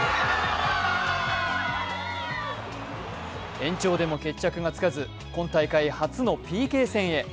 延長でも決着がつかず今大会初のＰＫ戦へ。